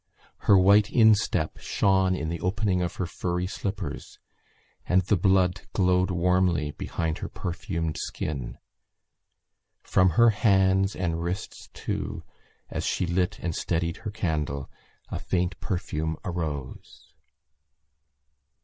Her white instep shone in the opening of her furry slippers and the blood glowed warmly behind her perfumed skin. From her hands and wrists too as she lit and steadied her candle a faint perfume arose.